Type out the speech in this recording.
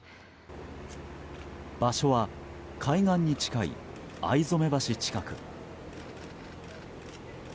場所は海岸に近い逢初橋近く。